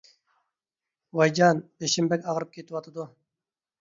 ۋايجان، بېشىم بەك ئاغرىپ كېتىۋاتىدۇ.